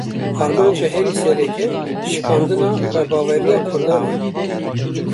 Armanca herî sereke, şikandina xwebaweriya Kurdan e